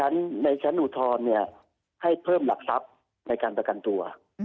ในชั้นอุทธรณ์ให้เพิ่มหลักทรัพย์ในการประกันตัว